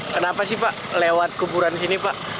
kenapa sih pak lewat kuburan sini pak